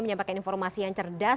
menyampaikan informasi yang cerdas